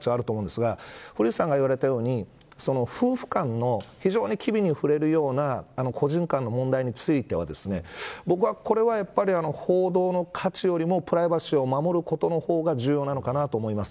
価値はあると思うんですが古市さんがおっしゃるように夫婦間の非常に機微に触れるような個人間の問題については僕は、これは報道の価値よりもプライバシーを守ることの方が重要なのかなと思います。